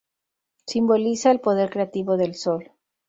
Simboliza el poder creativo del sol.